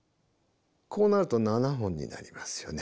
こうなると７本になりますよね。